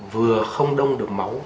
vừa không đông được máu